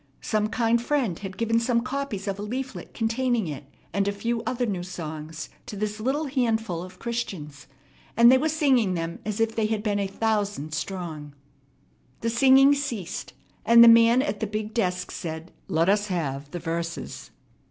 Some kind friend had given some copies of a leaflet containing it and a few other new songs to this little handful of Christians, and they were singing them as if they had been a thousand strong. The singing ceased and the man at the big desk said, "Let us have the verses."